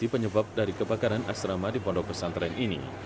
penyebab dari kebakaran asrama di pondok pesantren ini